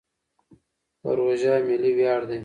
پروژه ملي ویاړ دی.